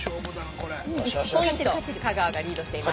１ポイント香川がリードしています。